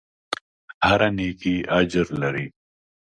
هره نېکۍ اجر لري.